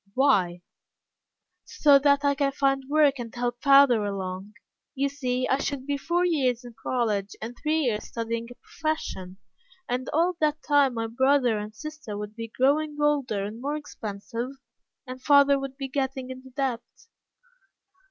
"Why?" "So that I can find work and help father along. You see, I should be four years in college, and three years studying a profession, and all that time my brother and sister would be growing older and more expensive, and father would be getting into debt."